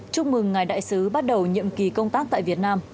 chúc mừng ngài đại sứ bắt đầu nhiệm kỳ công tác tại việt nam